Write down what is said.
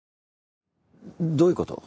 どういうこと？